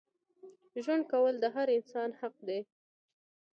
ژوند کول د هر انسان حق دی.